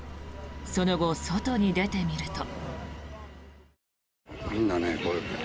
その後、外に出てみると。